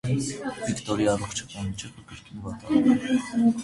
Վիկտորի առողջական վիճակը կրկին վատանում է։